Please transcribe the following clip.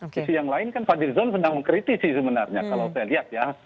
sisi yang lain kan fadlizon sedang mengkritisi sebenarnya kalau saya lihat ya